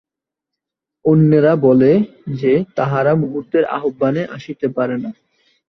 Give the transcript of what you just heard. অন্যেরা বলে যে, তাহারা মুহূর্তের আহ্বানে আসিতে পারে না।